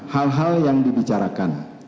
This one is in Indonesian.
hal hal yang dibicarakan